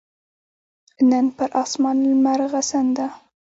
نن پر اسمان لمرغسن ده